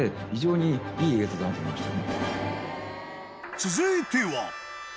［続いては］